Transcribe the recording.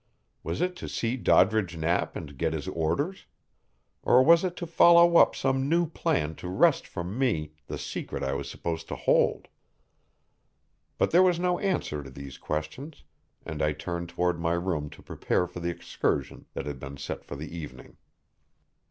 Was it to see Doddridge Knapp and get his orders? Or was it to follow up some new plan to wrest from me the secret I was supposed to hold? But there was no answer to these questions, and I turned toward my room to prepare for the excursion that had been set for the evening.